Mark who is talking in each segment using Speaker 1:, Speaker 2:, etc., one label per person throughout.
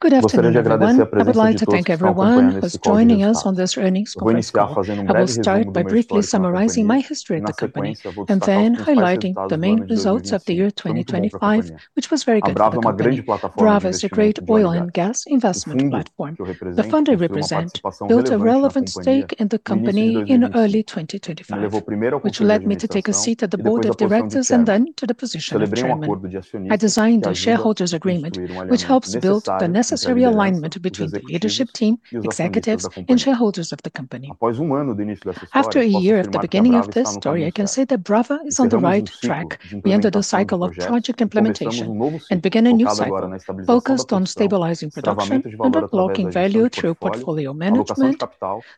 Speaker 1: Good afternoon, everyone. I'd like to thank everyone who's joining us on this earnings conference call. I will start by briefly summarizing my history at the company, and then highlighting the main results of the year 2025, which was very good for the company. Brava is a great oil and gas investment platform. The fund I represent built a relevant stake in the company in early 2025, which led me to take a seat at the board of directors and then to the position of chairman. I designed the shareholders agreement, which helps build the necessary alignment between the leadership team, executives, and shareholders of the company. After a year of beginning of this story, I can say that Brava is on the right track. We ended a cycle of project implementation and began a new cycle focused on stabilizing production and unlocking value through portfolio management,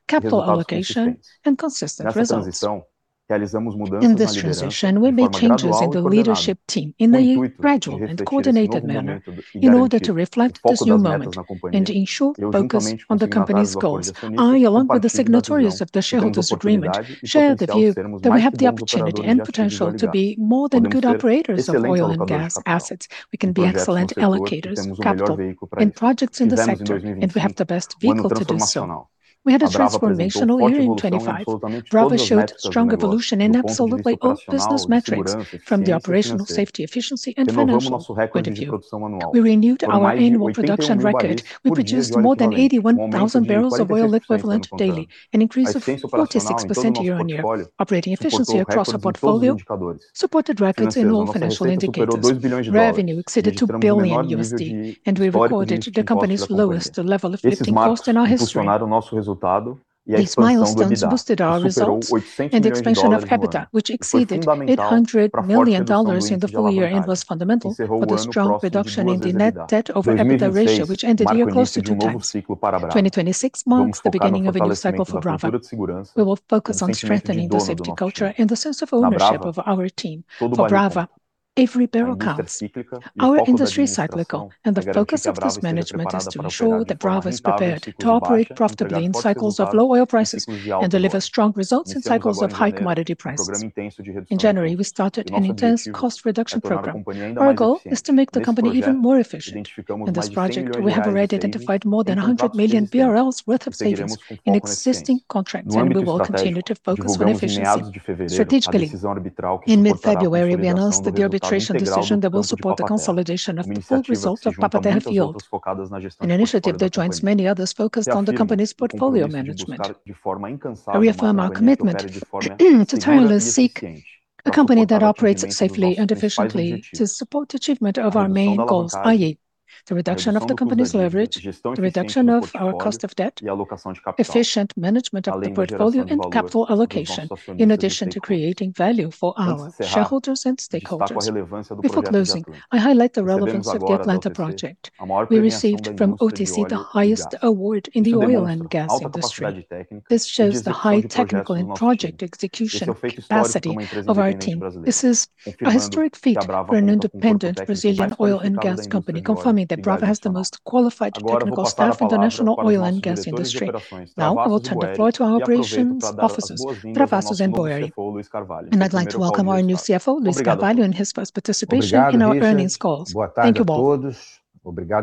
Speaker 1: capital allocation, and consistent results. In this transition, we made changes in the leadership team in a gradual and coordinated manner in order to reflect this new moment and ensure focus on the company's goals. I, along with the signatories of the shareholders agreement, share the view that we have the opportunity and potential to be more than good operators of oil and gas assets. We can be excellent allocators of capital in projects in the sector, and we have the best vehicle to do so. We had a transformational year in 2025. Brava showed strong evolution in absolutely all business metrics from the operational, safety, efficiency, and financial point of view. We renewed our annual production record. We produced more than 81,000 barrels of oil equivalent daily, an increase of 46% year-on-year. Operating efficiency across our portfolio supported records in all financial indicators. Revenue exceeded $2 billion, and we recorded the company's lowest level of lifting cost in our history. These milestones boosted our results and expansion of EBITDA, which exceeded $800 million in the full year and was fundamental for the strong reduction in the net debt over EBITDA ratio, which ended the year close to 2x. 2026 marks the beginning of a new cycle for Brava. We will focus on strengthening the safety culture and the sense of ownership of our team. For Brava, every barrel counts. Our industry is cyclical, and the focus of this management is to ensure that Brava is prepared to operate profitably in cycles of low oil prices and deliver strong results in cycles of high commodity prices. In January, we started an intense cost reduction program. Our goal is to make the company even more efficient. In this project, we have already identified more than 100 million BRL worth of savings in existing contracts, and we will continue to focus on efficiency strategically. In mid-February, we announced the arbitration decision that will support the consolidation of the full result of Papa-Terra field, an initiative that joins many others focused on the company's portfolio management. I reaffirm our commitment to continuously seek a company that operates safely and efficiently to support the achievement of our main goals, i.e., the reduction of the company's leverage, the reduction of our cost of debt, efficient management of the portfolio, and capital allocation, in addition to creating value for our shareholders and stakeholders. Before closing, I highlight the relevance of the Atlanta project. We received from OTC the highest award in the oil and gas industry. This shows the high technical and project execution capacity of our team. This is a historic feat for an independent Brazilian oil and gas company, confirming that Brava has the most qualified technical staff in the national oil and gas industry. Now, I will turn the floor to our operations officers, Travassos and Boeri. I'd like to welcome our new CFO, Luiz Carvalho, in his first participation in our earnings calls. Thank you both.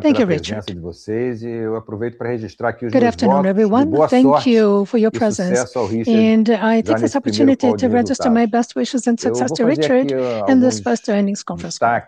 Speaker 2: Thank you, Richard. Good afternoon, everyone. Thank you for your presence, and I take this opportunity to register my best wishes and success to Richard in this first earnings conference call.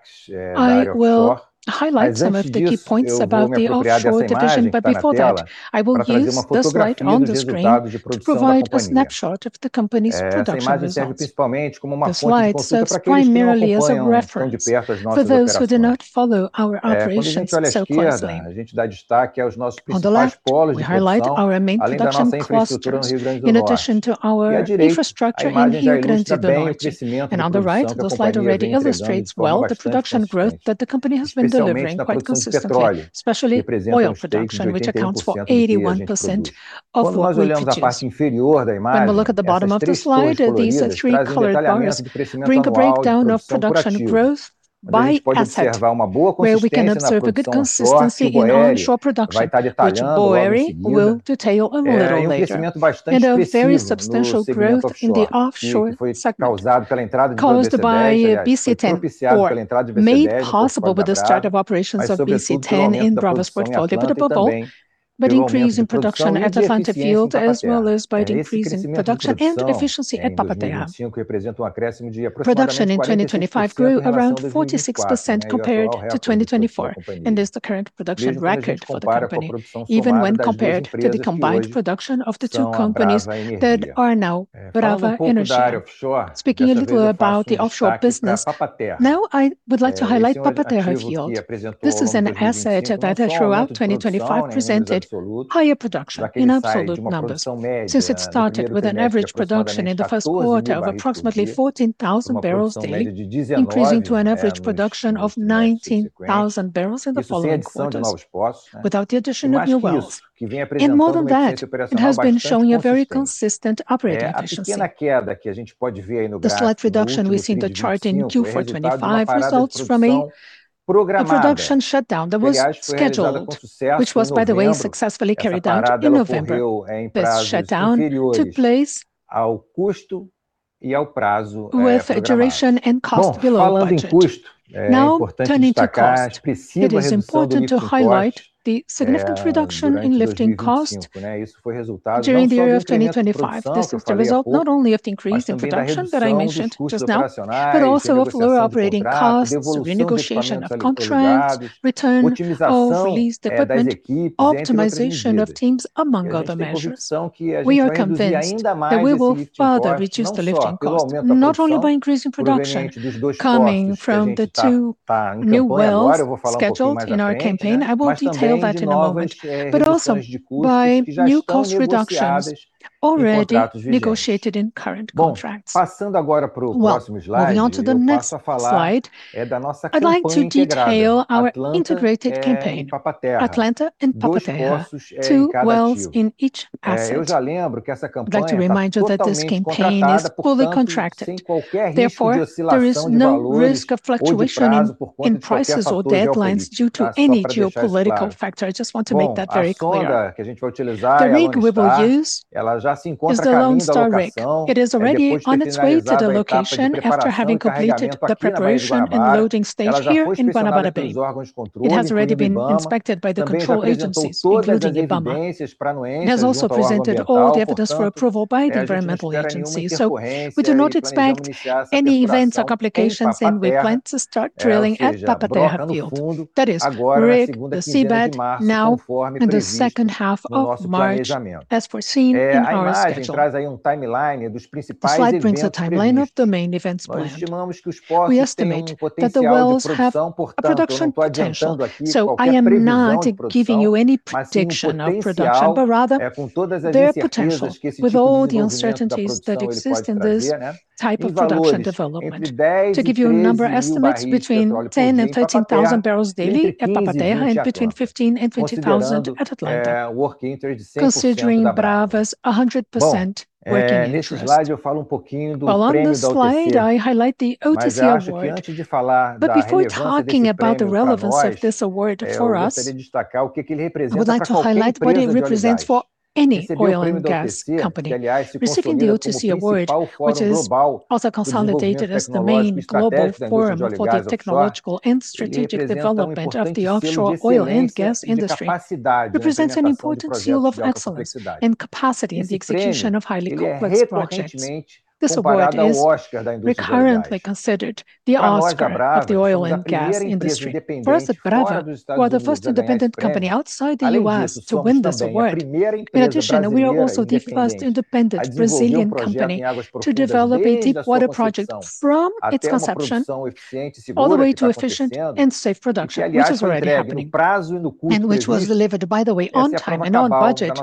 Speaker 2: I will highlight some of the key points about the offshore division, but before that, I will use this slide on the screen to provide a snapshot of the company's production results. The slide serves primarily as a reference for those who do not follow our operations so closely. On the left, we highlight our main production clusters in addition to our infrastructure in Rio Grande do Norte. On the right, the slide already illustrates well the production growth that the company has been delivering quite consistently, especially oil production, which accounts for 81% of what we produce. When we look at the bottom of the slide, these three colored bars bring a breakdown of production growth by asset, where we can observe a good consistency in onshore production, which Boeri will detail a little later, and a very substantial growth in the offshore segment caused by BC-10 or made possible with the start of operations of BC-10 in Brava Energia's portfolio at Papa-Terra, by the increase in production at Atlanta field, as well as by the increase in production and efficiency at Papa-Terra. Production in 2025 grew around 46% compared to 2024, and is the current production record for the company, even when compared to the combined production of the two companies that are now Brava Energia. Speaking a little about the offshore business, now I would like to highlight Papa-Terra field. This is an asset that has throughout 2025 presented higher production in absolute numbers since it started with an average production in the first quarter of approximately 14,000 barrels daily, increasing to an average production of 19,000 barrels in the following quarters without the addition of new wells. More than that, it has been showing a very consistent operating efficiency. The slight reduction we see in the chart in Q4 2025 results from a production shutdown that was scheduled, which was, by the way, successfully carried out in November. This shutdown took place with a duration and cost below budget. Now, turning to cost, it is important to highlight the significant reduction in lifting cost during the year of 2025. This is the result not only of the increase in production that I mentioned just now, but also of lower operating costs, renegotiation of contracts, return of leased equipment, optimization of teams, among other measures. We are convinced that we will further reduce the lifting cost, not only by increasing production coming from the two new wells scheduled in our campaign, I will detail that in a moment, but also by new cost reductions already negotiated in current contracts. Well, moving on to the next slide, I'd like to detail our integrated campaign, Atlanta and Papa-Terra, two wells in each asset. I'd like to remind you that this campaign is fully contracted, therefore, there is no risk of fluctuation in prices or deadlines due to any geopolitical factor. I just want to make that very clear. The rig we will use is the Lone Star rig. It is already on its way to the location after having completed the preparation and loading stage here in Guanabara Bay. It has already been inspected by the control agencies, including IBAMA. It has also presented all the evidence for approval by the environmental agency, so we do not expect any events or complications, and we plan to start drilling at Papa-Terra field. That is, rig, the seabed now, in the second half of March, as foreseen in our schedule. The slide brings a timeline of the main events planned. We estimate that the wells have a production potential, so I am not giving you any prediction of production, but rather their potential with all the uncertainties that exist in this type of production development. To give you a number estimate, between 10,000 and 13,000 barrels daily at Papa-Terra, and between 15,000 and 20,000 at Atlanta, considering Brava's 100% working interest. Well, on this slide, I highlight the OTC award. Before talking about the relevance of this award for us, I would like to highlight what it represents for any oil and gas company. Receiving the OTC award, which is also consolidated as the main global forum for the technological and strategic development of the offshore oil and gas industry, represents an important seal of excellence and capacity in the execution of highly complex projects. This award is recurrently considered the Oscar of the oil and gas industry. For us at Brava, we are the first independent company outside the U.S. to win this award. In addition, we are also the first independent Brazilian company to develop a deepwater project from its conception, all the way to efficient and safe production, which is already happening, and which was delivered, by the way, on time and on budget.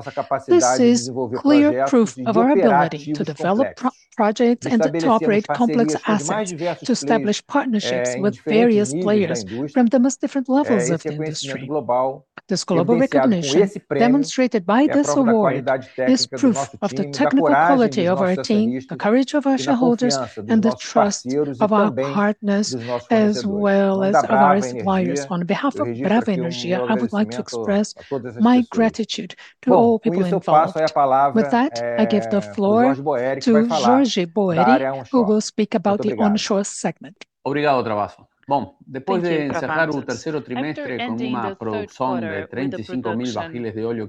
Speaker 2: This is clear proof of our ability to develop projects and to operate complex assets, to establish partnerships with various players from the most different levels of the industry. This global recognition demonstrated by this award is proof of the technical quality of our team, the courage of our shareholders, and the trust of our partners, as well as of our suppliers. On behalf of Brava Energia, I would like to express my gratitude to all people involved. With that, I give the floor to Jorge Boeri, who will speak about the onshore segment.
Speaker 3: Thank you, Travassos. After ending the third quarter with a production of 25,000-35,000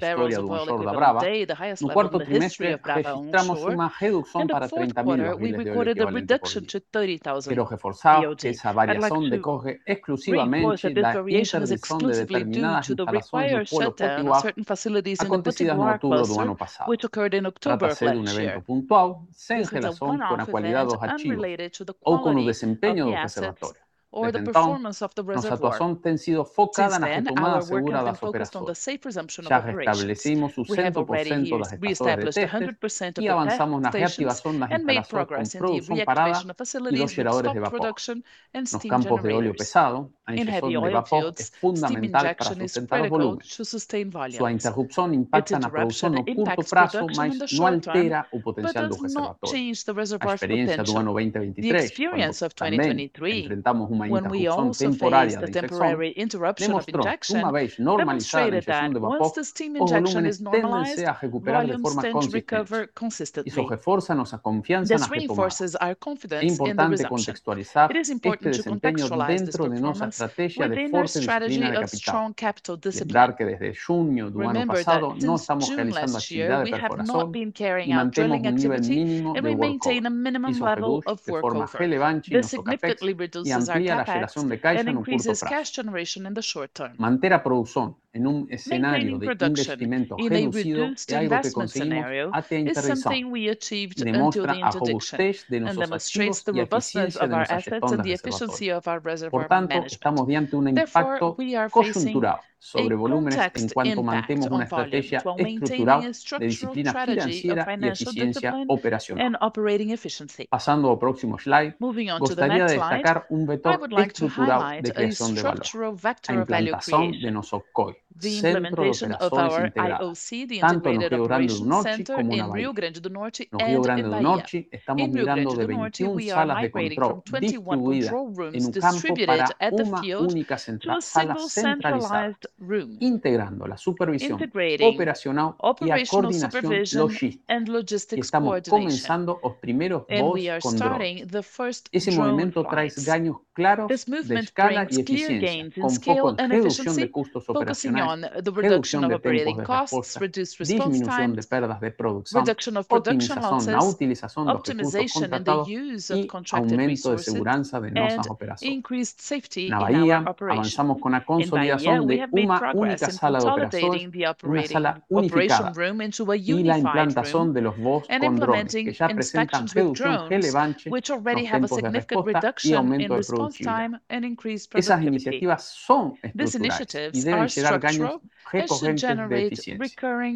Speaker 3: barrels of oil equivalent per day, the highest level in the history of Brava Onshore, in the fourth quarter, we recorded a reduction to 30,000 BOE. I'd like to report the reduction is exclusively due to the required shutdown of certain facilities in the Potiguar Basin, which occurred in October of last year. This is a one-off event unrelated to the quality of the assets. Desde então, nossa atuação tem sido focada na retomada segura das operações. Já reestabelecemos 100% das estações de teste e avançamos na reativação das instalações de produção parada e dos geradores de vapor. Nos campos de óleo pesado, a injeção de vapor é fundamental para sustentar o volume. Sua interrupção impacta na produção a curto prazo, mas não altera o potencial do reservatório. A experiência do ano 2023, quando também enfrentamos uma interrupção temporária da injeção, demonstrou que uma vez normalizada a injeção de vapor, os volumes tendem-se a recuperar de forma consistente. Isso reforça a nossa confiança na retomada. É importante contextualizar este desempenho dentro de nossa estratégia de forte disciplina de capital. Lembrar que desde junho do ano passado não estamos realizando atividades de perfuração e mantemos um nível mínimo de workover. Isso reduz de forma relevante os nossos Capex e amplia a geração de caixa no curto prazo. Manter a produção em um cenário de investimento reduzido é algo que conseguimos até a interdição. Demonstra a robustez de nossos ativos e a eficiência de nossa gestão de reservatório. Portanto, estamos diante de um impacto conjuntural sobre volumes enquanto mantemos uma estratégia estrutural de disciplina financeira e eficiência operacional. Passando ao próximo slide, gostaria de destacar um vetor estrutural de criação de valor: a implantação de nosso IOC, Centro Operações Integrado, tanto no Rio Grande do Norte como na Bahia. No Rio Grande do Norte, estamos migrando de 21 salas de controle distribuídas em um campo para uma única central, a sala centralizada, integrando a supervisão operacional e a coordenação logística. Estamos começando os primeiros two condutores. Esse movimento traz ganhos claros de escala e eficiência, com foco em redução de custos operacionais, redução de tempos de resposta, diminuição de perdas de produção, otimização na utilização dos recursos contratados e aumento de segurança de nossas operações. Na Bahia, avançamos com a consolidação de uma única sala de operações, uma sala unificada, e a implantação de two condutores, que já apresentam redução relevante nos tempos de resposta e aumento de produtividade. Essas iniciativas são estruturais e devem gerar ganhos recorrentes de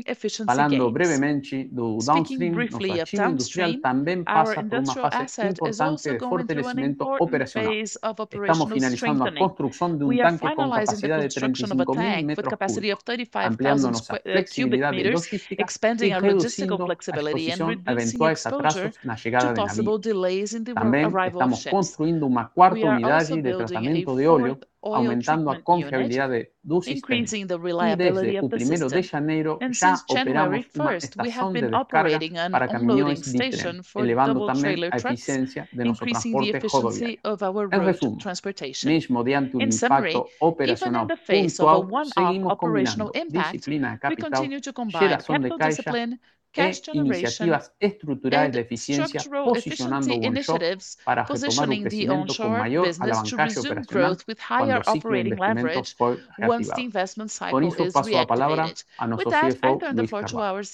Speaker 3: eficiência. Falando brevemente do downstream, nosso ativo industrial também passa por uma fase importante de fortalecimento operacional. Estamos finalizando a construção de um tanque com capacidade de 35,000 metros cúbicos, ampliando nossa flexibilidade logística e reduzindo a exposição a eventuais atrasos na chegada de navios. Também estamos construindo uma quarta unidade de tratamento de óleo, aumentando a confiabilidade do sistema. Desde o primeiro de janeiro já operamos uma estação de descarga para caminhões de trem, elevando também a eficiência de nosso transporte rodoviário. Em resumo, mesmo diante um impacto operacional pontual, seguimos combinando disciplina de capital, geração de caixa e iniciativas estruturais de eficiência, posicionando o onshore para retomar o crescimento com maior alavancagem operacional quando o ciclo de investimento for reativado. Com isto, passo a palavra a nosso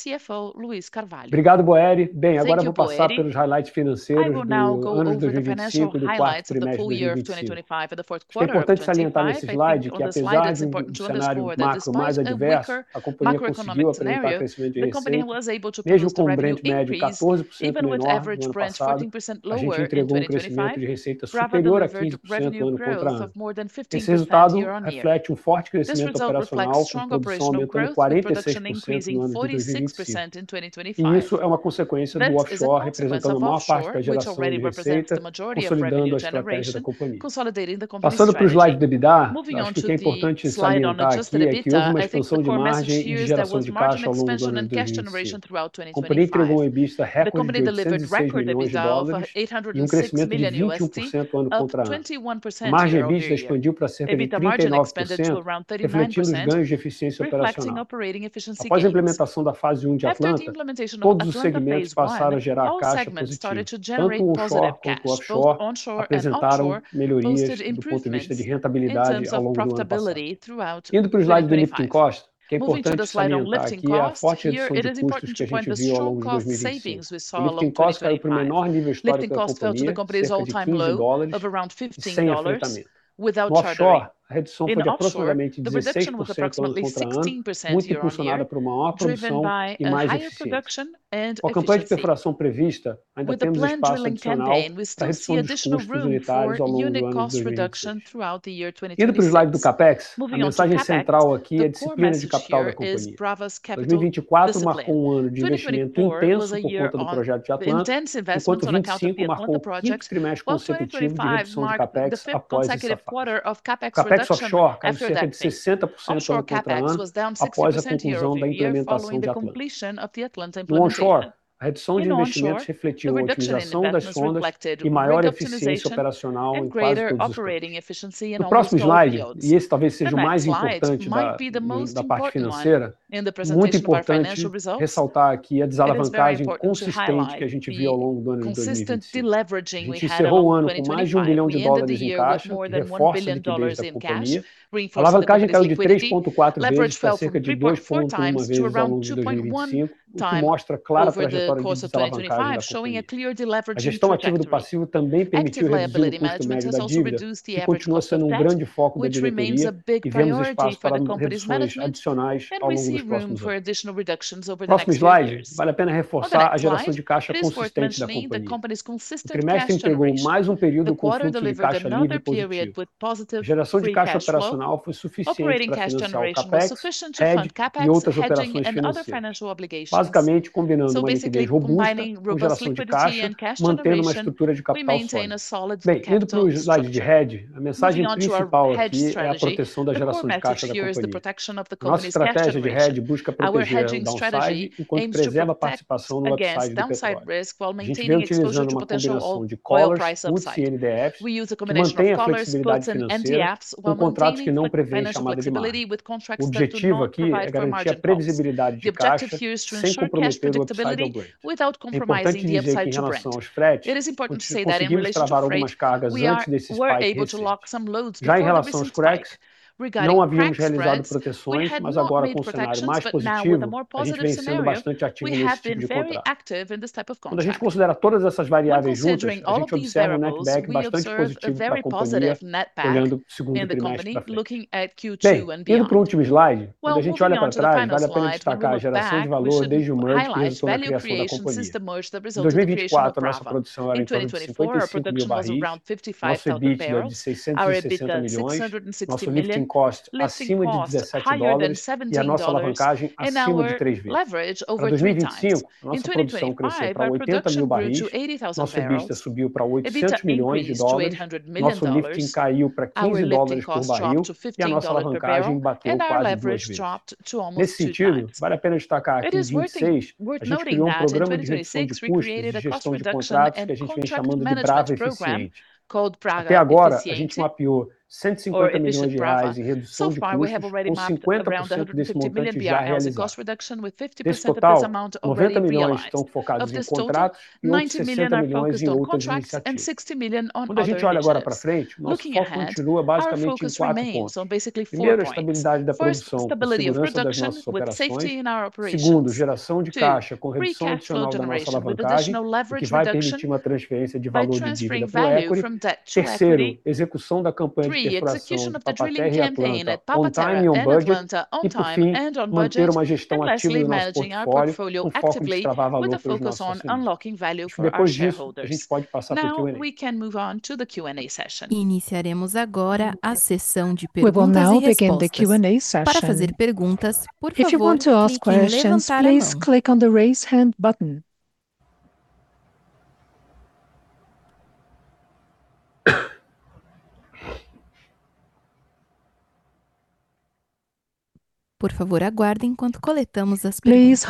Speaker 3: CFO, Luiz Carvalho.
Speaker 4: Obrigado, Boeri. Bem, agora eu vou passar pelos highlights financeiros do ano de 2025 e do quarto trimestre de 2025. O que é importante salientar nesse slide, que apesar de um cenário macro mais adverso, a companhia conseguiu apresentar crescimento de receita, mesmo com o Brent médio 14% menor do ano passado, a gente entregou um crescimento de receita superior a 15% ano contra ano. Esse resultado reflete um forte crescimento operacional, com produção aumentando 46% no ano de 2025. Isso é uma consequência do offshore representando a maior parte da geração de receita, consolidando as estratégias da companhia. Passando pro slide do EBITDA, acho que o que é importante salientar aqui é que houve uma expansão de margem e geração de caixa ao longo de 2025. A companhia entregou um EBITDA recorde de $806 million, um crescimento de 21% ano contra ano. A margem EBITDA expandiu pra cerca de 39%, refletindo os ganhos de eficiência operacional. Após a implementação da fase one de Atlanta, todos os segmentos passaram a gerar caixa positivo. Tanto o onshore quanto o offshore postaram melhorias do ponto de vista de rentabilidade ao longo do ano passado. Indo pros slides do lifting cost, o que é importante salientar aqui é a forte redução de custos que a gente viu ao longo de 2025. O lifting cost caiu pro menor nível histórico da companhia, cerca de $15.70. No offshore, a redução foi de aproximadamente 16% ano contra ano, muito impulsionada por uma maior produção e mais eficiência. Com a campanha de perfuração prevista, ainda temos espaço no calendário pra redução de custos unitários ao longo do ano de 2025. Indo pros slides do Capex, a mensagem central aqui é a disciplina de capital da companhia. 2024 marcou um ano de investimento intenso por conta do projeto de Atlanta, enquanto 2025 marcou o quinto trimestre consecutivo de redução de Capex após esse fase. O Capex offshore caiu cerca de 60% ano contra ano, após a conclusão da implementação de Atlanta. No onshore, a redução de investimentos refletiu otimização das frotas e maior eficiência operacional em quase todos os campos. No próximo slide, esse talvez seja o mais importante da parte financeira. Muito importante ressaltar aqui a desalavancagem consistente que a gente viu ao longo do ano de 2025. A gente encerrou o ano com mais de $1 bilhão em caixa, reforço de liquidez da companhia. A alavancagem caiu de 3.4x pra cerca de 2.1x ao longo de 2025, o que mostra clara trajetória de desalavancagem da companhia. A gestão ativa do passivo também permitiu a redução do custo médio da dívida, que continua sendo um grande foco da diretoria, e vemos espaço para mais reduções adicionais ao longo dos próximos anos. Próximo slide, vale a pena reforçar a geração de caixa consistente da companhia. O trimestre entregou mais um período com fluxo de caixa livre positivo. A geração de caixa operacional foi suficiente pra financiar o Capex, hedge e outras operações financeiras. Basicamente, combinando uma liquidez robusta com geração de caixa, mantendo uma estrutura de capital sólida. Bem, indo pro slide de hedge, a mensagem principal aqui é a proteção da geração de caixa da companhia. Nossa estratégia de hedge busca proteger o downside, enquanto preserva a participação no upside do petróleo. A gente vem utilizando uma combinação de collars, puts e NDFs, que mantém a flexibilidade financeira, com contratos que não preveem chamada de margem. O objetivo aqui é garantir a previsibilidade de caixa, sem comprometer o upside ao banco. É importante dizer que em relação aos fretes, a gente conseguiu travar algumas cargas antes desse spike de custos. Já em relação aos cracks, não havíamos realizado proteções, mas agora, com cenário mais positivo, a gente vem sendo bastante ativo nesse tipo de contrato. Quando a gente considera todas essas variáveis juntas, a gente observa um netback bastante positivo pra companhia, olhando o segundo trimestre pra frente. Bem, indo pro último slide, quando a gente olha pra trás, vale a pena destacar a geração de valor desde o merger que resultou na criação da companhia. Em 2024, a nossa produção era em torno de 55,000 barris, nosso EBITDA de $660 million, nosso lifting cost acima de $17 e a nossa alavancagem acima de 3x. Para 2025, nossa produção cresceu para 80,000 barris, nosso EBITDA subiu para $800 million, nosso lifting caiu para $15 por barril e a nossa alavancagem bateu quase 2x. Nesse sentido, vale a pena destacar que, em 2026, a gente criou um programa de redução de custos e gestão de contratos, que a gente vem chamando de Brava Efficient. Até agora, a gente mapeou 150 million reais em redução de custos, com 50% desse montante já realizado. Desse total, 90 million tão focados em contratos e outros 60 million em outras iniciativas. Quando a gente olha agora para frente, nosso foco continua basicamente em quatro pontos: primeiro, estabilidade da produção com segurança das nossas operações. Segundo, geração de caixa com redução adicional da nossa alavancagem, o que vai permitir uma transferência de valor de dívida para o equity. Terceiro, execução da campanha de perfuração do Papa-Terra e Atlanta, on time e on budget. Por fim, manter uma gestão ativa do nosso portfólio, com foco de travar valor pros nossos acionistas. Depois disso, a gente pode passar pro Q&A.
Speaker 5: Iniciaremos agora a sessão de perguntas e respostas. Para fazer perguntas, por favor, clique em levantar a mão. Por favor, aguarde enquanto coletamos as perguntas.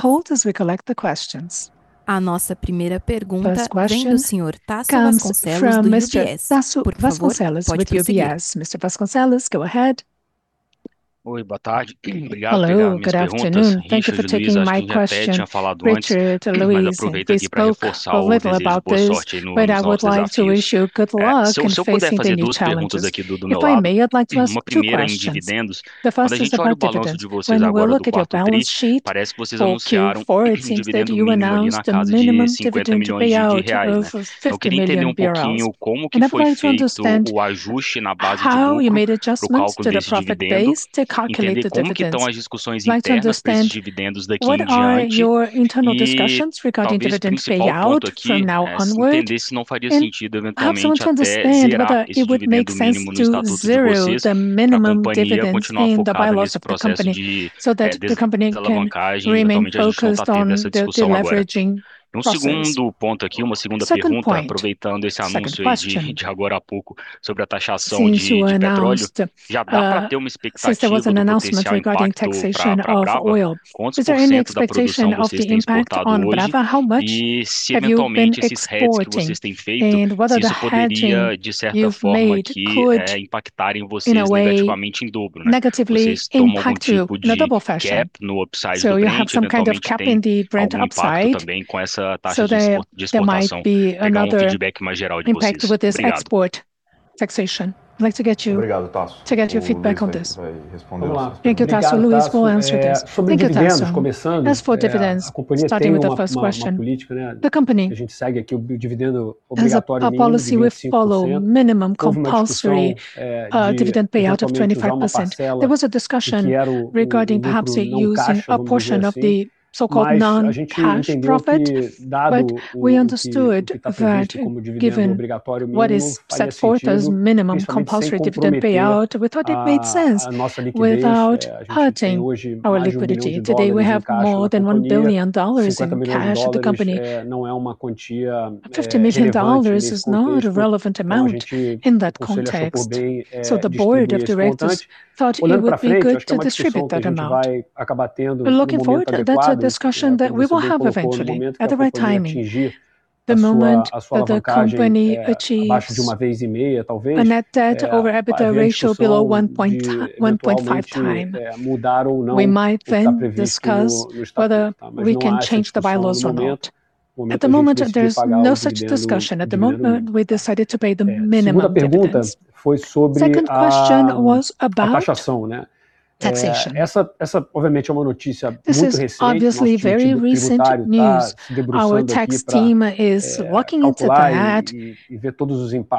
Speaker 5: A nossa primeira pergunta vem do Senhor Tasso Vasconcellos, do UBS. Por favor, pode prosseguir.
Speaker 6: Oi, boa tarde. Obrigado pegar as minhas perguntas. Richard e Luiz, acho que já até tinha falado antes, mas aproveito aqui pra reforçar o desejo de boa sorte aí no início das suas desafios. Se eu puder fazer duas perguntas aqui do meu lado, uma primeira em dividendos. Quando a gente olha o balanço de vocês agora, do quarto tri, parece que vocês anunciaram um dividend payout ali na casa de BRL 50 million, né? Eu queria entender um pouquinho como que foi feito o ajuste na base de lucro pro cálculo desse dividendo, entender como que tão as discussões internas pra esses dividendos daqui em diante, e talvez o principal ponto aqui é entender se não faria sentido, eventualmente, até zerar esse dividendo mínimo no estatuto de vocês, pra companhia continuar focada nesse processo de desalavancagem, eventualmente a gente não tá tendo essa discussão agora. Um segundo ponto aqui, uma segunda pergunta, aproveitando esse anúncio aí de agora há pouco sobre a taxação de petróleo, já dá pra ter uma expectativa do potencial impacto pra Brava? Quantos % da produção vocês têm exportado hoje? E se eventualmente esses hedges que vocês têm feito, se isso poderia, de certa forma, impactarem vocês negativamente em dobro, né? Se vocês tão com algum tipo de gap no upside do Brent, eventualmente tem algum impacto também com essa taxa de exportação. É só um feedback mais geral de vocês. Obrigado.
Speaker 1: Taxation. I'd like to get your feedback on this. Thank you, Tasso. Luiz will answer this. Thank you, Tasso.
Speaker 4: As for dividends, starting with the first question. The company has a policy we follow, minimum compulsory dividend payout of 25%. There was a discussion regarding perhaps using a portion of the so-called non-cash profit. We understood that given what is set forth as minimum compulsory dividend payout, we thought it made sense without hurting our liquidity. Today we have more than $1 billion in cash in the company. $50 million is not a relevant amount in that context, so the board of directors thought it would be good to distribute that amount. Looking forward, that's a discussion that we will have eventually at the right timing. The moment that the company achieves a net debt over EBITDA ratio below 1.2-1.5 times. We might then discuss whether we can change the bylaws or not. At the moment, there's no such discussion. At the moment, we decided to pay the minimum dividends. Second question was about taxation. This is obviously very recent news. Our tax team is looking into that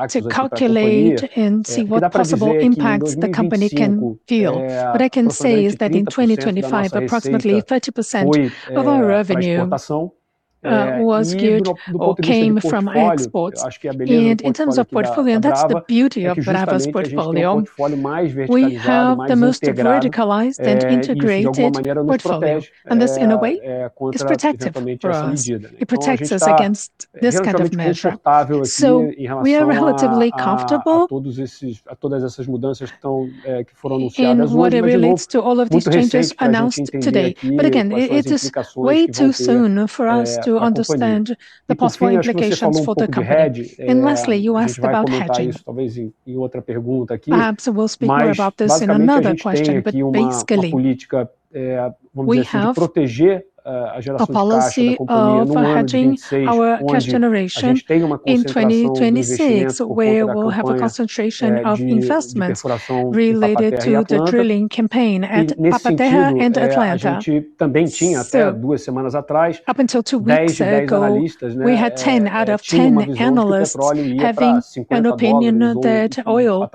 Speaker 4: to calculate and see what possible impact the company can feel. What I can say is that in 2025, approximately 30% of our revenue came from exports. In terms of portfolio, that's the beauty of Brava's portfolio. We have the most verticalized and integrated portfolio, and this in a way is protective for us. It protects us against this kind of measure. We are relatively comfortable in regards to all of these changes announced today. It is way too soon for us to understand the possible implications for the company. Lastly, you asked about hedging. Perhaps we'll speak more about this in another question. Basically, we have a policy of hedging our cash generation in 2026, where we will have a concentration of investments related to the drilling campaign at Papa-Terra and Atlanta. Up until two weeks ago, we had 10 out of 10 analysts having an opinion that oil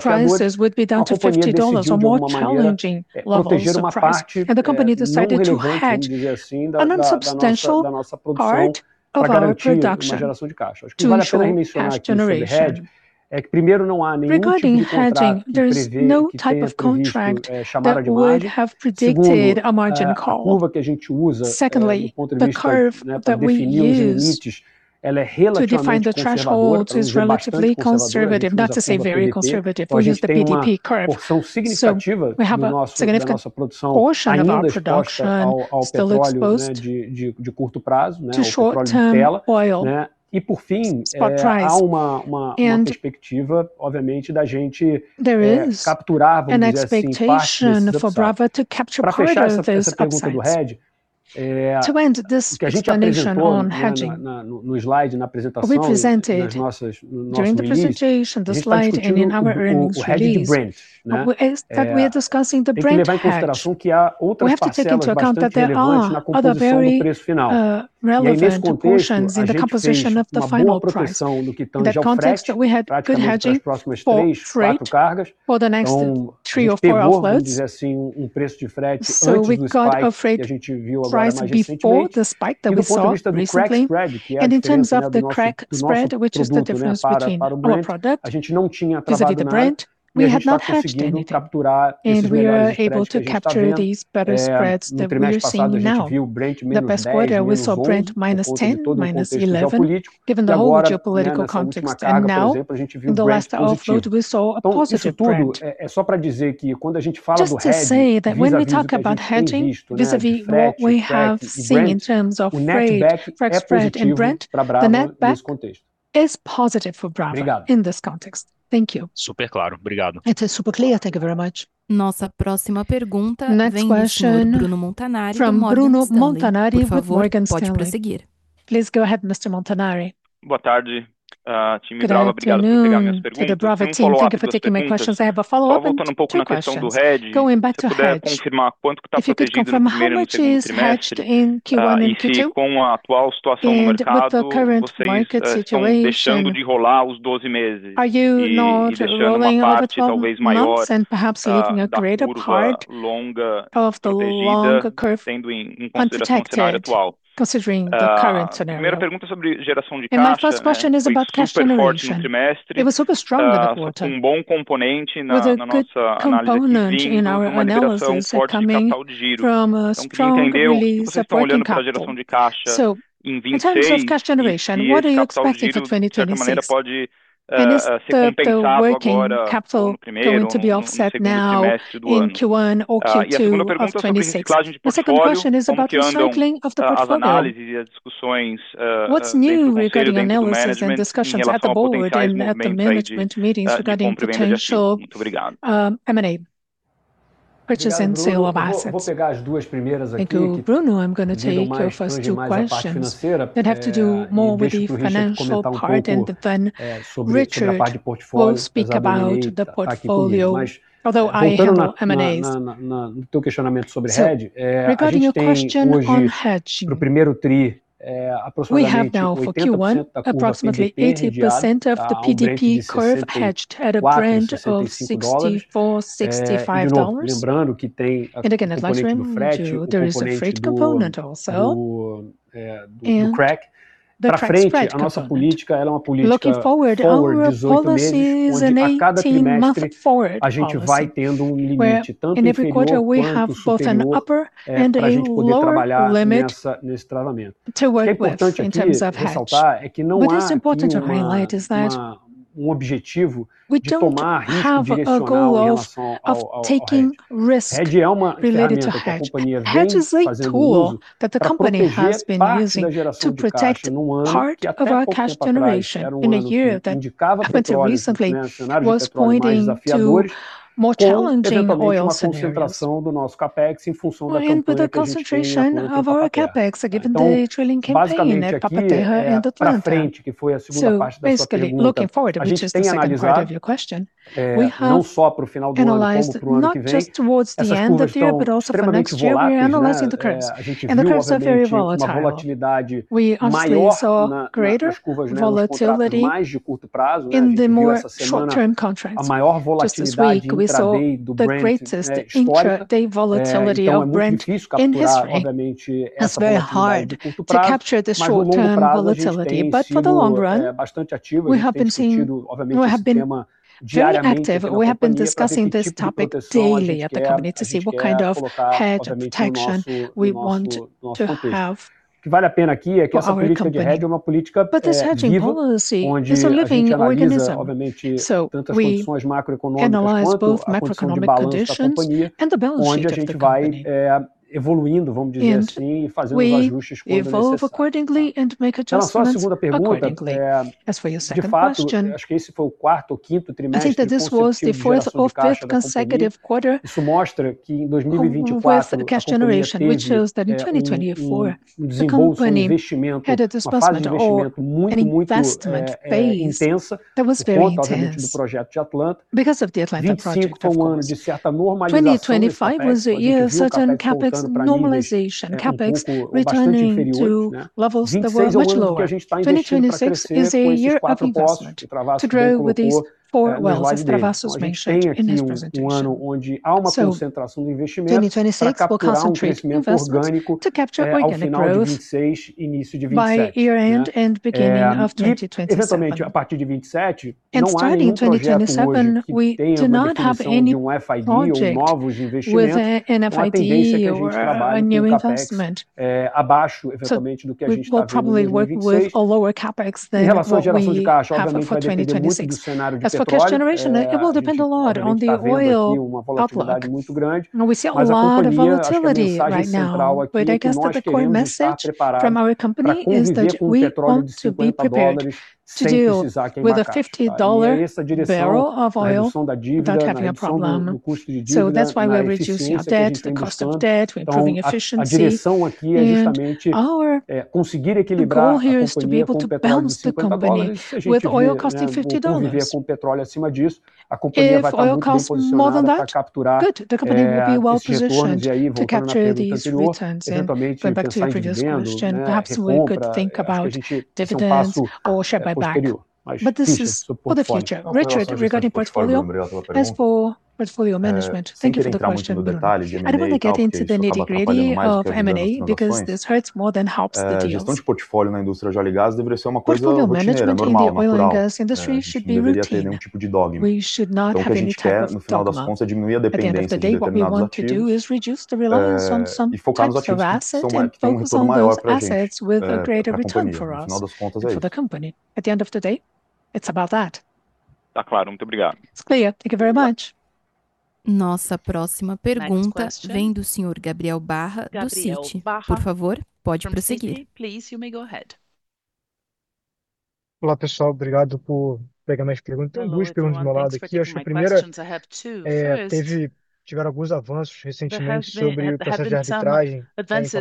Speaker 4: prices would be down to $50 or more challenging levels of price. The company decided to hedge a non-substantial part of our production to ensure cash generation. Regarding hedging, there is no type of contract that would have predicted a margin call. Secondly, the curve that we use to define the thresholds is relatively conservative, not to say very conservative. We use the PDP curve, so we have a significant portion of our production still exposed to short-term oil price. There is an expectation for Brava to capture part of those upsides. To end this explanation on hedging, we presented during the presentation the slide and in our earnings release, which is that we are discussing the Brent hedge. We have to take into account that there are other very relevant cushions in the composition of the final price. In that context, we had good hedging for freight for the next three or four offloads. We got a freight price before the spike that we saw recently. In terms of the crack spread, which is the difference between our product vis-à-vis the Brent, we had not hedged anything, and we are able to capture these better spreads that we are seeing now. The past quarter we saw Brent minus $10, minus $11, given the whole geopolitical context. Now in the last offload we saw a positive Brent. Just to say that when we talk about hedging vis-à-vis what we have seen in terms of freight, crack spread and Brent, the netback is positive for Brava in this context. Thank you.
Speaker 6: Super clear. Thank you very much.
Speaker 5: Next question from Bruno Montanari with Morgan Stanley. Please go ahead, Mr. Montanari.
Speaker 7: Good afternoon to the Brava team. Thank you for taking my questions. I have a follow-up and two questions. Going back to hedge, if you could confirm how much is hedged in Q1 and Q2? With the current market situation, are you not rolling over the 12 months and perhaps leaving a greater part of the longer curve unprotected considering the current scenario? My first question is about cash generation. It was super strong in the quarter with a good component in our analysis coming from a strongly supporting capital. In terms of cash generation, what do you expect for 2026? Is the working capital going to be offset now in Q1 or Q2 of 2026? The second question is about the cycling of the portfolio. What's new regarding analysis and discussions at the board and at the management meetings regarding potential M&A, acquisitions and sale of assets.
Speaker 4: Thank you, Bruno. I'm gonna take your first two questions that have to do more with the financial part, and then Richard will speak about the portfolio. Although I handle M&As. Regarding your question on hedging, we have now for Q1 approximately 80% of the PDP curve hedged at a Brent of $64, $65. Again, as mentioned, there is a freight component also and the crack spread component. Looking forward, our policy is an 18-month forward policy, where in every quarter we have both an upper and a lower limit to work with in terms of hedge. What is important to highlight is that we don't have a goal of taking risk related to hedge. Hedge is a tool that the company has been using to protect part of our cash generation in a year that, until recently, was pointing to more challenging oil scenarios, or even with a concentration of our Capex given the drilling campaign at Papa-Terra and Atlanta. Basically, looking forward, which is the second part of your question, we have analyzed not just towards the end of year, but also for next year, we are analyzing the curves, and the curves are very volatile. We obviously saw greater volatility in the more short-term contracts. Just this week, we saw the greatest intraday volatility of Brent in history. It's very hard to capture the short-term volatility, but for the long run, we have been seeing. We have been very active. We have been discussing this topic daily at the company to see what kind of hedge protection we want to have for our company. This hedging policy is a living organism, so we analyze both macroeconomic conditions and the balance sheet of the company, and we evolve accordingly and make adjustments accordingly. As for your second question, I think that this was the fourth or fifth consecutive quarter with cash generation, which shows that in 2024, the company had a spasm of an investment phase that was very intense because of the Atlanta project. 2025 was a year of certain Capex normalization, Capex returning to levels that were much lower. 2026 is a year of investment to grow with these four wells that Travassos mentioned in his presentation. 2026 will concentrate investments to capture organic growth by year-end and beginning of 2027. Starting in 2027, we do not have any project with an FID or a new investment. We will probably work with a lower Capex than what we have for 2026. As for cash generation, it will depend a lot on the oil outlook, and we see a lot of volatility right now. I guess the core message from our company is that we want to be prepared to deal with a $50 barrel of oil without having a problem. That's why we're reducing our debt, the cost of debt, we're improving efficiency, and our goal here is to be able to balance the company with oil costing $50. If oil costs more than that, good. The company will be well positioned to capture these returns. Going back to the previous question, perhaps we could think about dividends or share buyback, but this is for the future. Richard, regarding portfolio, as for portfolio management.
Speaker 1: Thank you for the question, Bruno. I don't want to get into the nitty-gritty of M&A because this hurts more than helps the deals. Portfolio management in the oil and gas industry should be routine. We should not have any type of dogma. At the end of the day, what we want to do is reduce the reliance on some types of asset and focus on those assets with a greater return for us and for the company. At the end of the day, it's about that.
Speaker 7: It's clear. Thank you very much.
Speaker 5: Next question, Gabriel Barra from Citi. Please, you may go ahead.
Speaker 8: Hello, everyone. Thanks for taking my questions. I have two. First, there have been some advances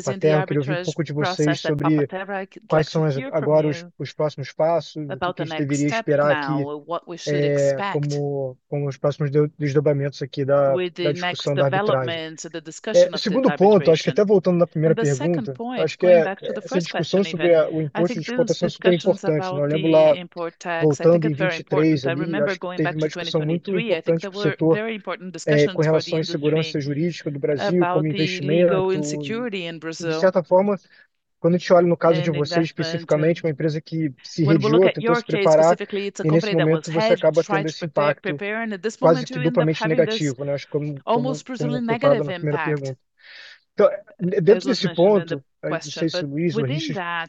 Speaker 8: in the arbitration process at Papa-Terra. I'd like to hear from you about the next step now or what we should expect with the next developments of the discussion of the arbitration. The second point, going back to the first question even, I think those discussions about the import tax. I think it's very important. I remember going back to 2023. I think there were very important discussions regarding the legal insecurity in Brazil and that when we look at your case specifically, it's a company that was hedged, trying to prepare, and at this moment you end up having this almost presumably negative impact. I don't know if you have an opinion on that question. Within that,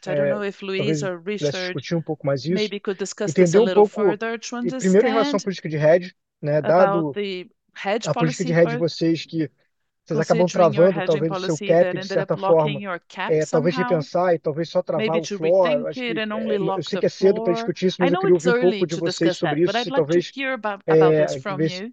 Speaker 8: I don't know if Luiz or Richard maybe could discuss this a little further to understand about the hedge policy for. Vocês acabam travando talvez o seu cap de certa forma. Talvez repensar e talvez só travar o floor. Acho que eu sei que é cedo pra discutir isso, mas eu queria ouvir um pouco de vocês sobre isso e talvez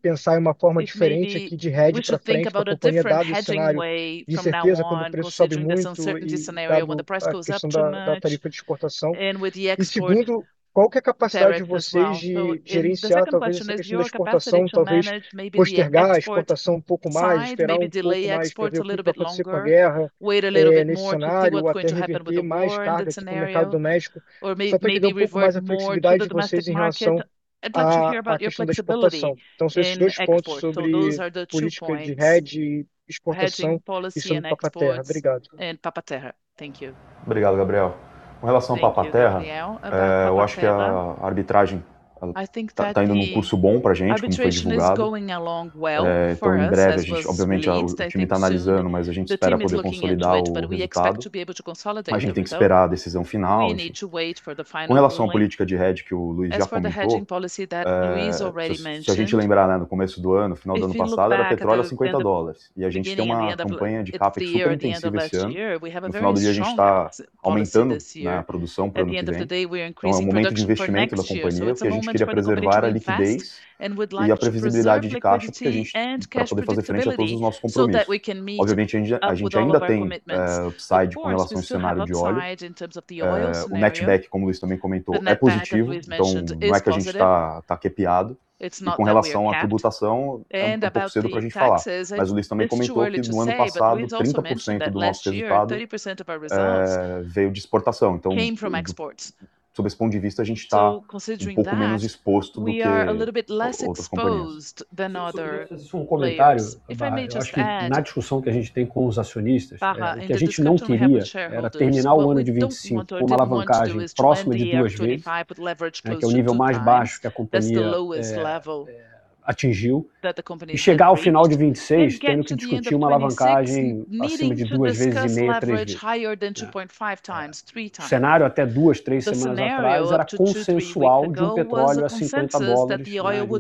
Speaker 8: pensar em uma forma diferente aqui de hedge pra frente da companhia, dado o cenário. Com certeza, quando o preço sobe muito e dado a questão da tarifa de exportação. E segundo, qual que é a capacidade de vocês de gerenciar talvez a questão da exportação, talvez postergar a exportação um pouco mais, esperar um pouco mais pra ver o que vai acontecer com a guerra, nesse cenário, ou até revertir mais carga pro mercado doméstico. Só pra entender um pouco mais a flexibilidade de vocês em relação à questão da exportação. Esses dois pontos sobre política de hedge, exportação e sobre Papa-Terra. Obrigado.
Speaker 1: Obrigado, Gabriel. Com relação ao Papa-Terra, eu acho que a arbitragem ela tá indo num curso bom pra gente, como foi divulgado. Então em breve, a gente, obviamente, o time tá analisando, mas a gente espera poder consolidar o resultado. Mas a gente tem que esperar a decisão final. Com relação à política de hedge que o Luiz já comentou, se a gente lembrar, né, no começo do ano, final do ano passado, o petróleo era $50, e a gente tem uma campanha de Capex superintensiva esse ano. No final do dia, a gente tá aumentando, né, a produção pro ano que vem. É um momento de investimento da companhia, que a gente queria preservar a liquidez e a previsibilidade de caixa, porque a gente pra poder fazer frente a todos os nossos compromissos. Obviamente, a gente ainda tem upside com relação ao cenário de óleo. O netback, como o Luiz também comentou, é positivo, então não é que a gente tá capado. Com relação à tributação, é um pouco cedo pra gente falar. O Luiz também comentou que no ano passado, 30% do nosso resultado veio de exportação. Sob esse ponto de vista, a gente tá um pouco menos exposto do que outras companhias.
Speaker 4: Se eu puder fazer só um comentário. Acho que na discussão que a gente tem com os acionistas, o que a gente não queria era terminar o ano de 2025 com uma alavancagem próxima de two vezes, que é o nível mais baixo que a companhia atingiu, e chegar ao final de 2026 tendo que discutir uma alavancagem acima de 2.5-3 vezes. O cenário até two-three semanas atrás era consensual de um petróleo a $50, um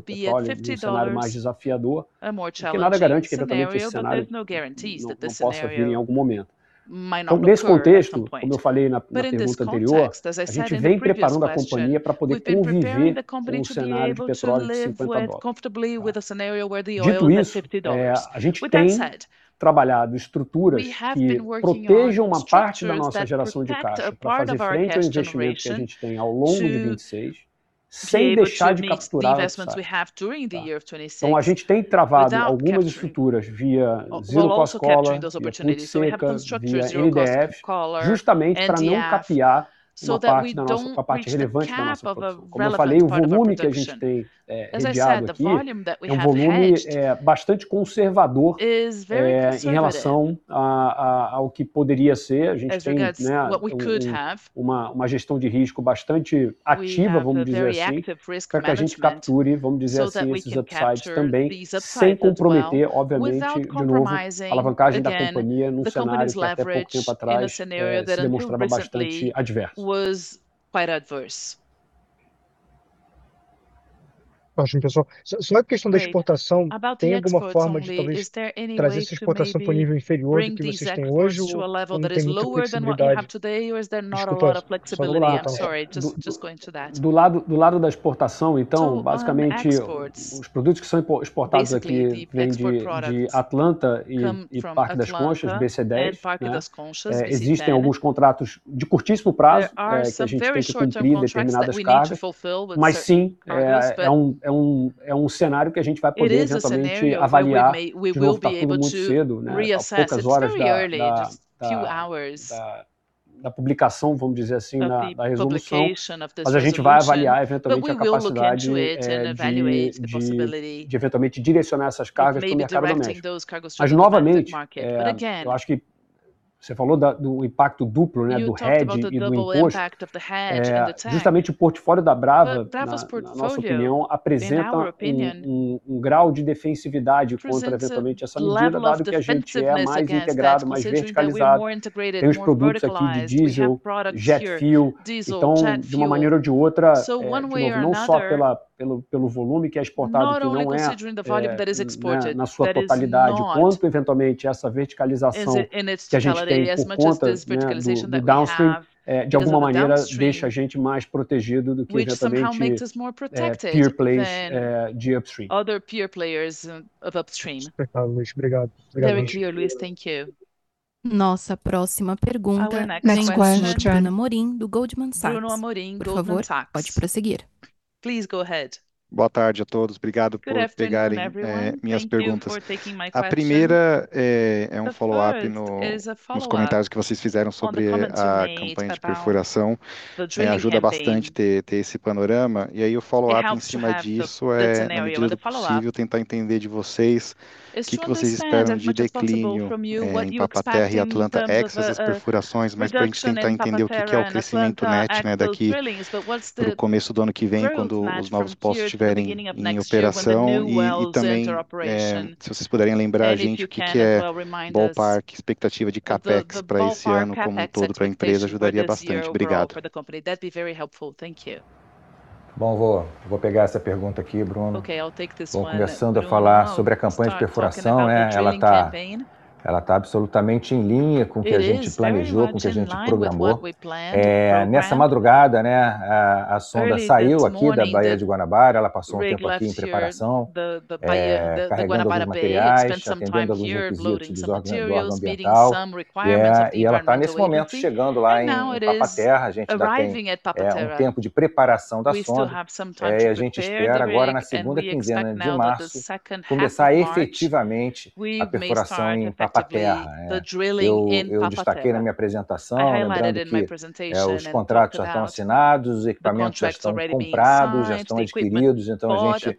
Speaker 4: cenário de petróleo mais desafiador, porque nada garante que eventualmente esse cenário não possa vir em algum momento. Nesse contexto, como eu falei na pergunta anterior, a gente vem preparando a companhia pra poder conviver com o cenário de petróleo de $50. Dito isso, a gente tem trabalhado estruturas que protejam uma parte da nossa geração de caixa pra fazer frente ao investimento que a gente tem ao longo de 2026, sem deixar de capturar os upsides, tá? Então a gente tem travado algumas estruturas via zero cost collar, via put seca, via NDF, justamente pra não capear uma parte da nossa, uma parte relevante da nossa produção. Como eu falei, o volume que a gente tem hedgeado aqui é um volume bastante conservador em relação ao que poderia ser. A gente tem, né, uma gestão de risco bastante ativa, vamos dizer assim, pra que a gente capture, vamos dizer assim, esses upsides também, sem comprometer, obviamente, de novo, a alavancagem da companhia no cenário que até pouco tempo atrás se demonstrava bastante adverso.
Speaker 8: Ótimo, pessoal. Só a questão da exportação, tem alguma forma de talvez trazer essa exportação pra um nível inferior ao que vocês têm hoje ou não tem muita flexibilidade?
Speaker 4: Desculpa, posso falar? Do lado da exportação, então, basicamente os produtos que são exportados aqui vêm de Atlanta e Parque das Conchas, BC-10, né? Existem alguns contratos de curtíssimo prazo que a gente tem que cumprir determinadas cargas. Mas sim, é um cenário que a gente vai poder eventualmente avaliar. De novo, tá tudo muito cedo, né? A poucas horas da publicação, vamos dizer assim, da resolução. Mas a gente vai avaliar eventualmente a possibilidade de eventualmente direcionar essas cargas pro mercado doméstico. Mas novamente, eu acho que você falou do impacto duplo, né, do hedge e do imposto. Justamente o portfólio da Brava, na nossa opinião, apresenta um grau de defensividade contra eventualmente essa medida, dado que a gente é mais integrado, mais verticalizado, tem os produtos aqui de diesel, jet fuel. De uma maneira ou de outra, de novo, não só pelo volume que é exportado, que não é na sua totalidade, quanto eventualmente essa verticalização que a gente tem por conta do downstream, de alguma maneira deixa a gente mais protegido do que eventualmente peer players de upstream.
Speaker 8: Espectáculo, Luiz. Obrigado. Obrigado mesmo.
Speaker 5: Nossa próxima pergunta vem com Bruno Amorim, do Goldman Sachs. Por favor, pode prosseguir.
Speaker 9: Boa tarde a todos. Obrigado por pegarem minhas perguntas. A primeira é um follow up nos comentários que vocês fizeram sobre a campanha de perfuração. Me ajuda bastante ter esse panorama. Aí o follow up em cima disso é, na medida do possível, tentar entender de vocês o que que vocês esperam de declínio em Papa-Terra e Atlanta após essas perfurações, mais pra gente tentar entender o que que é o crescimento net, né, daqui pro começo do ano que vem, quando os novos poços tiverem em operação. Também, se vocês puderem lembrar a gente o que que é ballpark expectativa de Capex pra esse ano como um todo pra empresa ajudaria bastante. Obrigado.
Speaker 2: Bom, vou pegar essa pergunta aqui, Bruno. Vou começando a falar sobre a campanha de perfuração, né, ela tá absolutamente em linha com o que a gente planejou, com o que a gente programou. Nessa madrugada, né, a sonda saiu aqui da Baía de Guanabara, ela passou um tempo aqui em preparação, carregando alguns materiais, atendendo alguns requisitos de ordem ambiental, é, e ela tá nesse momento chegando lá em Papa-Terra. A gente ainda tem um tempo de preparação da sonda. A gente espera agora, na segunda quinzena de março, começar efetivamente a perfuração em Papa-Terra, é. Eu destaquei na minha apresentação, lembrando que os contratos já estão assinados, os equipamentos já estão comprados, já estão adquiridos, então a gente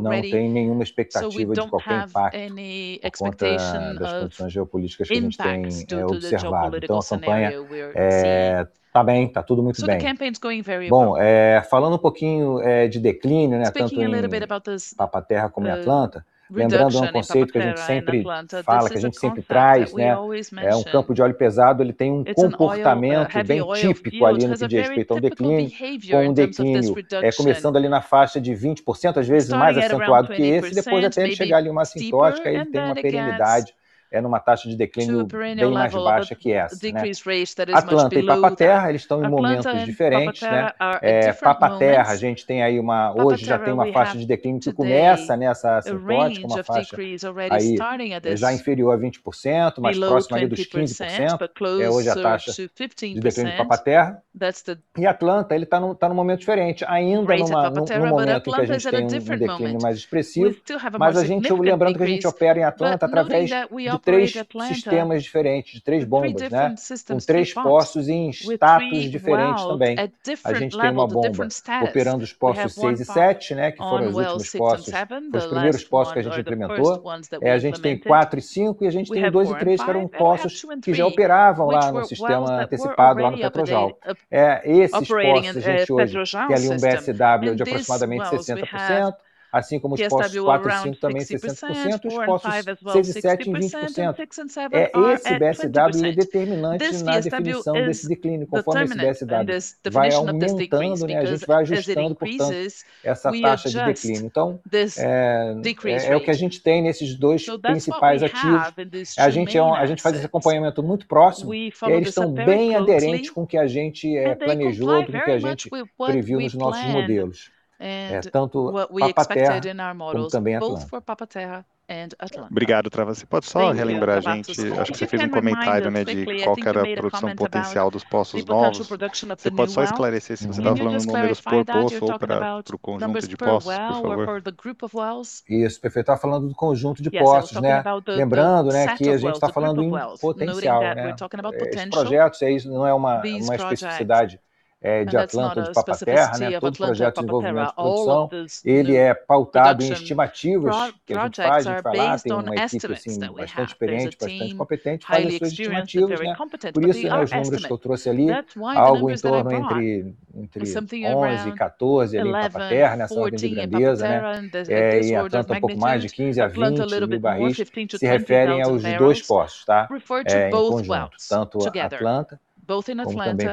Speaker 2: não tem nenhuma expectativa de qualquer impacto por conta das condições geopolíticas que a gente tem observado. Então a campanha tá bem, tá tudo muito bem. Bom, falando um pouquinho de declínio, tanto em Papa-Terra como em Atlanta, lembrando um conceito que a gente sempre fala, que a gente sempre traz. Um campo de óleo pesado, ele tem um comportamento bem típico ali no que diz respeito ao declínio, com um declínio começando ali na faixa de 20%, às vezes mais acentuado que esse, depois até chegar ali numa assintótica, ele tem uma perenidade numa taxa de declínio bem mais baixa que essa. Atlanta e Papa-Terra, eles tão em momentos diferentes. Papa-Terra, a gente tem aí uma hoje já tem uma faixa de declínio que começa nessa assintótica, uma faixa aí já inferior a 20%, mais próxima ali dos 15%, é hoje a taxa de declínio de Papa-Terra. Atlanta, ele tá num momento diferente, ainda num momento que a gente tem um declínio mais expressivo, mas lembrando que a gente opera em Atlanta através de três sistemas diferentes, de três bombas, né? Com três poços em status diferentes também. A gente tem uma bomba operando os poços seis e sete, né, que foram os últimos poços, os primeiros poços que a gente implementou. A gente tem quatro e cinco, e a gente tem dois e três, que eram poços que já operavam lá no sistema anterior lá no Petrojarl. Esses poços, a gente hoje tem ali um BSW de aproximadamente 60%, assim como os poços four e five também 60%, os poços six e seven em 20%. É esse BSW determinante na definição desse declínio, conforme esse BSW vai aumentando, né, a gente vai ajustando, portanto, essa taxa de declínio. É o que a gente tem nesses dois principais ativos. A gente faz esse acompanhamento muito próximo, e eles são bem aderentes com o que a gente planejou, com o que a gente previu nos nossos modelos. Tanto Papa-Terra como também Atlanta.
Speaker 9: Obrigado, Travassos. Você pode só relembrar, a gente acho que você fez comentário, né, de qual que era a produção potencial dos poços novos. Você pode só esclarecer se você tá falando números por poço ou pra, pro conjunto de poços, por favor?
Speaker 2: Isso, perfeito, eu tava falando do conjunto de poços, né. Lembrando, né, que a gente tá falando dum potencial, né? Esses projetos, isso não é uma especificidade, de Atlanta ou de Papa-Terra, né, todos os projetos de desenvolvimento de produção, ele é pautado em estimativas que a gente faz, a gente fala, tem uma equipe, assim, bastante experiente, bastante competente, faz suas estimativas, né. Por isso, os números que eu trouxe ali, algo em torno entre 11 e 14 ali em Papa-Terra, nessa ordem de grandeza, né. Em Atlanta, um pouco mais, de 15-20 mil barris, se referem aos dois poços, tá? Em conjunto, tanto Atlanta como também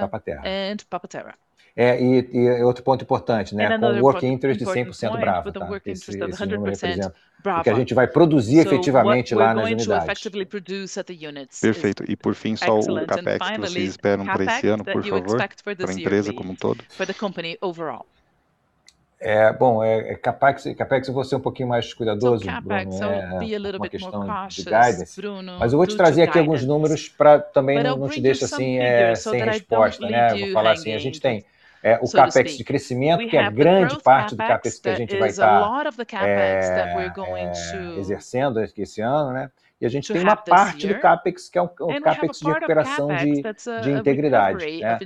Speaker 2: Papa-Terra. E outro ponto importante, né, com o working interest de 100% da Brava, tá? Esse número representa o que a gente vai produzir efetivamente lá nas unidades.
Speaker 9: Perfeito. Por fim, só o Capex que vocês esperam pra esse ano, por favor, pra empresa como um todo?
Speaker 2: Capex eu vou ser um pouquinho mais cuidadoso, Bruno, uma questão de guidance. Mas eu vou te trazer aqui alguns números pra também não te deixo, assim, sem resposta, né? Vou falar assim, a gente tem o Capex de crescimento, que é grande parte do Capex que a gente vai tá exercendo esse ano, né. E a gente tem uma parte de Capex, que é o Capex de recuperação de integridade, né.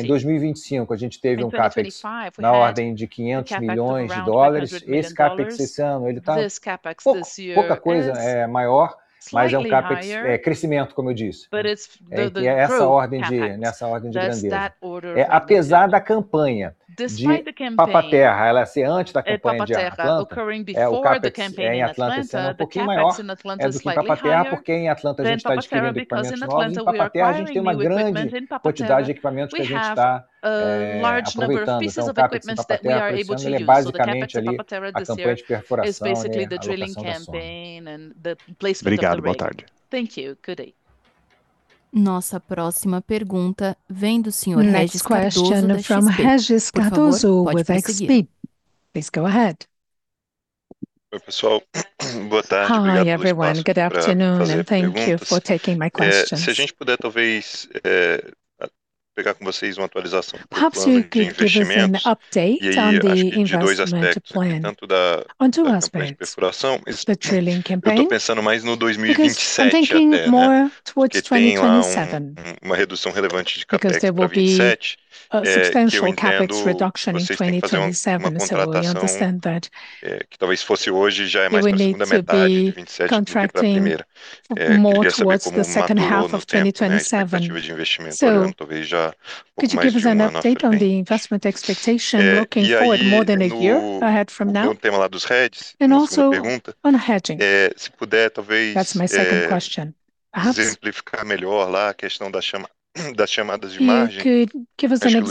Speaker 2: Em 2025, a gente teve um Capex na ordem de $500 million. Esse Capex, esse ano, ele tá pouca coisa maior, mas é um Capex crescimento, como eu disse. Que é essa ordem de, nessa ordem de grandeza. Apesar da campanha de Papa-Terra, ela sendo antes da campanha de Atlanta, o Capex em Atlanta sendo um pouquinho maior do que Papa-Terra, porque em Atlanta a gente tá adquirindo equipamentos novos, em Papa-Terra a gente tem uma grande quantidade de equipamentos que a gente tá aproveitando. O Capex de Papa-Terra esse ano, ele é basicamente ali a campanha de perfuração e a colocação das sondas.
Speaker 9: Obrigado, boa tarde.
Speaker 5: Nossa próxima pergunta vem do senhor Regis Cardoso, da XP. Por favor, pode prosseguir.
Speaker 10: Oi, pessoal. Boa tarde, obrigado pelo espaço pra fazer perguntas. Se a gente puder talvez pegar com vocês uma atualização do plano de investimentos, e aí acho que de dois aspectos, tanto da campanha de perfuração, eu tô pensando mais no 2027 até, porque tem lá uma redução relevante de Capex pra 2027, que eu entendo vocês têm que fazer uma contratação, que talvez fosse hoje, já é mais pra segunda metade de 2027 do que pra primeira. Que devia ser como um maduro no tempo, a perspectiva de investimento, talvez já um pouco mais de um ano à frente. E aí no tema lá dos hedges, minha segunda pergunta. Se puder, talvez se exemplificar melhor lá a questão das chamadas de margem, acho que o Luiz comentou em um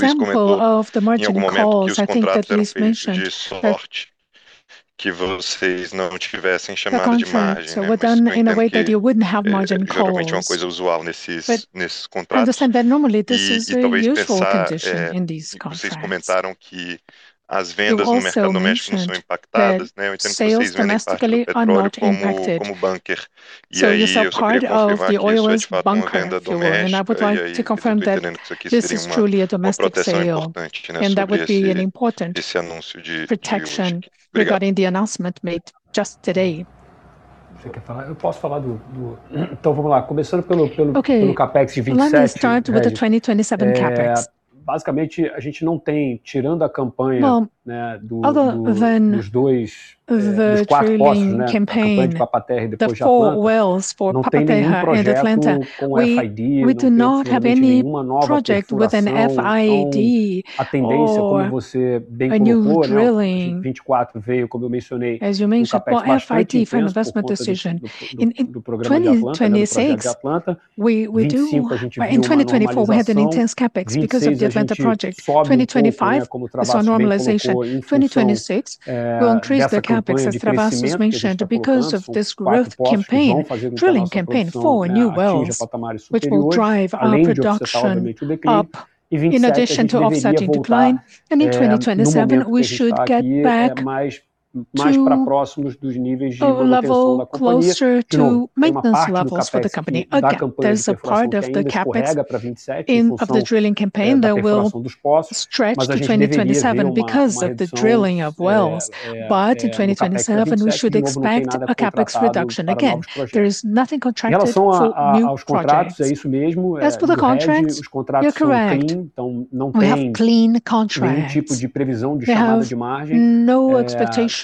Speaker 10: momento que os contratos eram feitos de sorte que vocês não tivessem chamada de margem, né? Mesmo sabendo que geralmente é uma coisa usual nesses contratos. Talvez pensar, vocês comentaram que as vendas no mercado doméstico não são impactadas, né? Eu entendo que vocês vendem parte do petróleo como bunker. Aí eu só queria confirmar que isso é feito como venda doméstica, e entendendo que isso aqui seria uma proteção importante nesse anúncio de hoje. Obrigado.
Speaker 4: Você quer falar? Eu posso falar. Então vamo lá. Começando pelo Capex em 2027, basicamente a gente não tem, tirando a campanha, né, dos quatro poços, né, a campanha de Papa-Terra e depois de Atlanta, não tem nenhum projeto com FID, não temos nenhuma nova perfuração. A tendência, como você bem colocou, né, 2024 veio, como eu mencionei, um Capex mais bastante intenso por conta desse programa de Atlanta, né, do programa de Atlanta. 2025 a gente viu uma normalização. 2026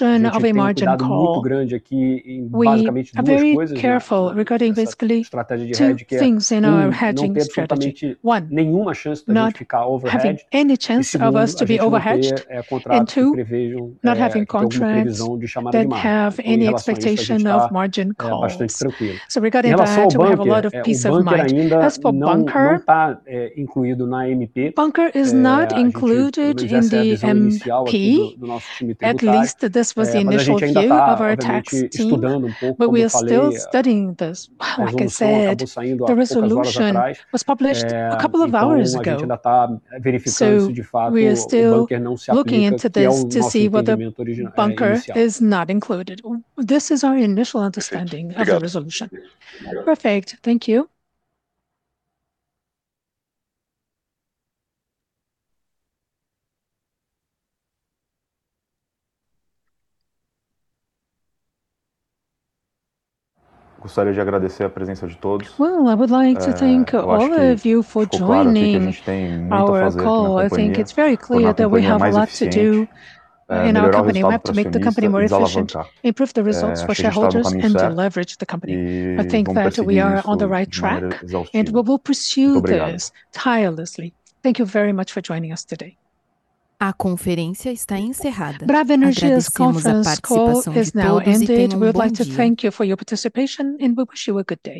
Speaker 4: a gente sobe um pouco, né, como o Travassos bem colocou, em função dessa campanha de crescimento que a gente está colocando com os quatro
Speaker 1: Gostaria de agradecer a presença de todos. Eu acho que ficou claro aqui que a gente tem muito a fazer na nossa companhia. Tornar a companhia mais eficiente, melhorar o resultado para acionista e desalavancar. Acho que a gente tá no caminho certo vamos perseguir isso de maneira exaustiva. Muito obrigado.
Speaker 5: A conferência está encerrada. Agradecemos a participação de todos e tenham um bom dia. Brava Energia's conference call has now ended. We would like to thank you for your participation and we wish you a good day.